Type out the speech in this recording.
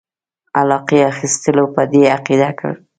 علاقې اخیستلو په دې عقیده کړ.